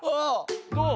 どう？